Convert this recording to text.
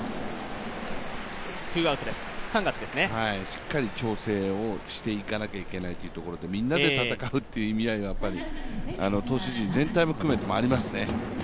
しっかり調整をしていかなければいけないところでみんなで戦うという意味合いが投手陣全体含めてありますね。